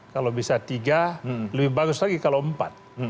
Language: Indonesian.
kalau bisa tiga lebih bagus lagi kalau empat